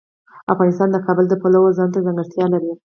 افغانستان د کابل د پلوه ځانته ځانګړتیا لري.